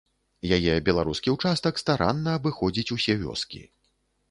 Яе беларускі ўчастак старанна абыходзіць усе вёскі.